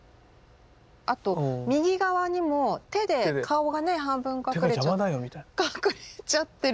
あと右側にも手で顔がね半分隠れちゃってる人も。